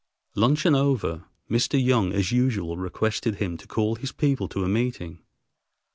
Luncheon over, Mr. Young as usual requested him to call his people to a meeting.